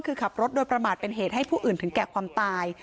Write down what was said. คือขับรถโดยประมาทเป็นเหตุให้ผู้อื่นถึงแก่ความตาย